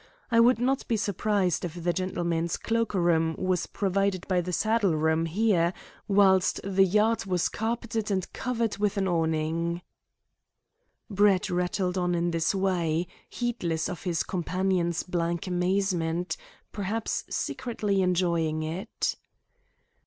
I would not be surprised if the gentlemen's cloak room was provided by the saddle room there, whilst the yard was carpeted and covered with an awning." Brett rattled on in this way, heedless of his companion's blank amazement, perhaps secretly enjoying it.